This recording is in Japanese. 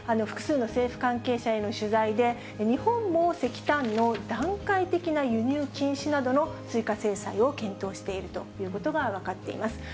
複数の政府関係者への取材で、日本も石炭の段階的な輸入禁止などの追加制裁を検討しているということが分かっています。